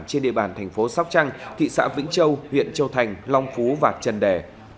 trên địa bàn thành phố sóc trăng thị xã vĩnh châu huyện châu thành long phú và trần đè